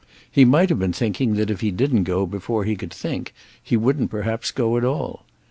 He might have been thinking that if he didn't go before he could think he wouldn't perhaps go at all.